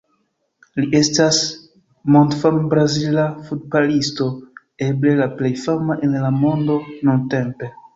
Li estas mondfama Brazila futbalisto, eble la plej fama en la mondo nuntempe.